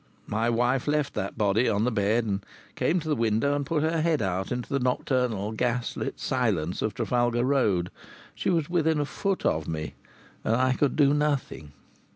My wife left that body on the bed, and came to the window and put her head out into the nocturnal, gas lit silence of Trafalgar Road. She was within a foot of me and I could do nothing.